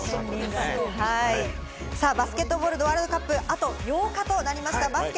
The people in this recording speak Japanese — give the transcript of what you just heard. バスケットボールワールドカップあと８日となりました。